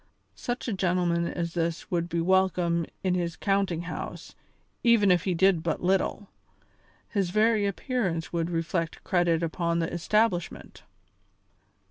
Such a gentleman as this would be welcome in his counting house, even if he did but little; his very appearance would reflect credit upon the establishment.